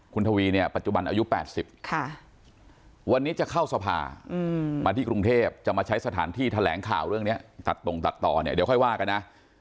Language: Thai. คุณทวีเนี่ยปัจจุบันอายุ๘๐วันนี้จะเข้าสภามาที่กรุงเทพจะมาใช้สถานที่แถลงข่าวเรื่องนี้ตัดตรงตัดต่อเนี่ยเดี๋ยวค่อยว่ากันนะ